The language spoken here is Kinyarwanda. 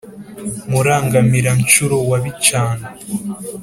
murangamira-ncuro wa bicano